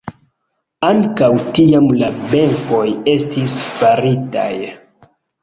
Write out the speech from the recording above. Ankaŭ tiam la benkoj estis faritaj.